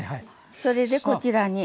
それでこちらに。